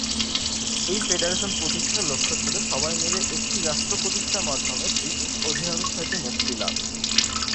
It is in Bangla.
এই ফেডারেশন প্রতিষ্ঠার লক্ষ্য ছিল সবাই মিলে একটি রাষ্ট্র প্রতিষ্ঠার মাধ্যমে ব্রিটিশ অধীনতা থেকে মুক্তি লাভ।